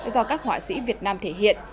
do các họa sĩ việt nam thể hiện